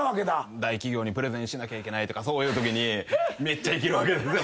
大企業にプレゼンしなきゃいけないとかそういうときにめっちゃいけるわけですよ。